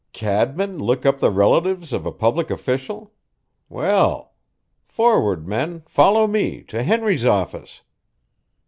Cadman look up the relatives of a public official! Well! Forward, men, follow me to Henry's office."